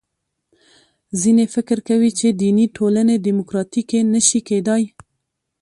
ځینې فکر کوي چې دیني ټولنې دیموکراتیکې نه شي کېدای.